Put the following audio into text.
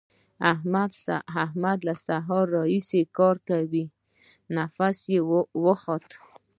احمد له سهار راهسې کار کوي؛ نفس يې وخوت.